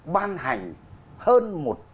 ban hành hơn một trăm linh